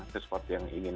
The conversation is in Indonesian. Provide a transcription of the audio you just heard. sesuatu yang ingin menang